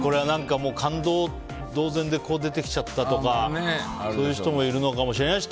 勘当同然で出てきちゃったとかそういう人もいるかもしれないし